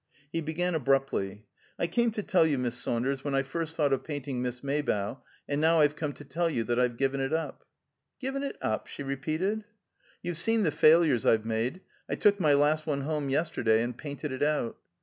He began abruptly, "I came to tell you, Miss Saunders, when I first thought of painting Miss Maybough, and now I've come to tell you that I've given it up." "Given it up?" she repeated. "You've seen the failures I've made. I took my last one home yesterday, and painted it out."